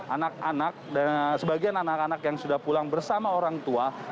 anak anak dan sebagian anak anak yang sudah pulang bersama orang tua